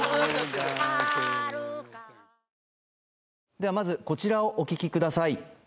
ではまずこちらをお聴きください